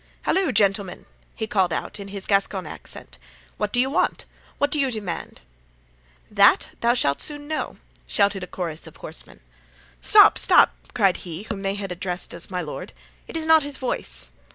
"Halloo, gentlemen!" he called out in his Gascon accent, "what do you want? what do you demand?" "That thou shalt soon know," shouted a chorus of horsemen. "Stop, stop!" cried he whom they had addressed as "my lord;" "'tis not his voice."